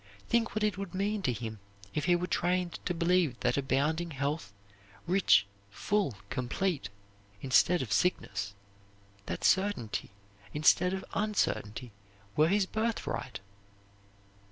Think what it would mean to him if he were trained to believe that abounding health, rich, full, complete, instead of sickness, that certainty instead of uncertainty were his birthright!